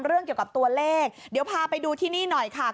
เรื่องเกี่ยวกับตัวเลขเดี๋ยวพาไปดูที่นี่หน่อยค่ะ